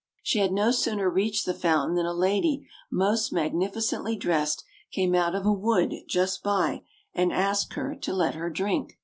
She had no sooner reached the fountain than a lady most magnificently dressed came out of a wood just by, and asked her to let her drink.